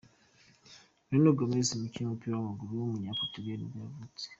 Nuno Gomes, umukinnyi w’umupira w’amaguru w’umunya-Portugal nibwo yavutse.